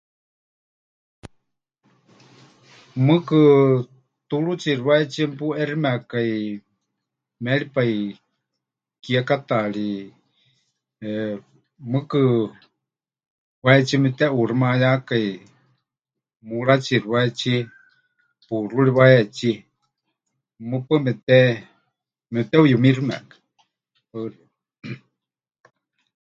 Mɨɨkɨ tuurutsiixi wahetsie mepuʼeximekai méripai kiekátaari, eh, mɨɨkɨ wahetsíe mepɨteʼuuximayákai, muurátsixi wahetsíe, puuxúri wahetsíe, mɨpaɨ mepɨte... mepɨte'uyumiximekai. Paɨ xeikɨ́a.